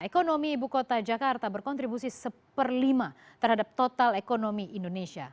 ekonomi ibu kota jakarta berkontribusi satu per lima terhadap total ekonomi indonesia